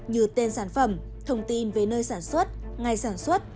như tên sản phẩm thông tin về nơi sản xuất ngày sản xuất